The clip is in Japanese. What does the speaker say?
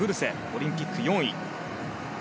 オリンピック４位。